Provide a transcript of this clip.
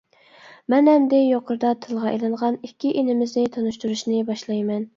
مەن ئەمدى يۇقىرىدا تىلغا ئېلىنغان ئىككى ئىنىمىزنى تونۇشتۇرۇشنى باشلايمەن.